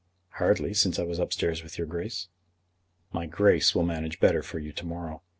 "Hardly, since I was upstairs with your Grace." "My Grace will manage better for you to morrow.